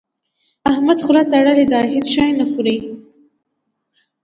احمد خوله تړلې ده؛ هيڅ شی نه خوري.